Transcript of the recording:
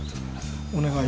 お願い？